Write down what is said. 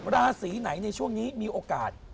ราศีไหนในช่วงนี้มีโอกาส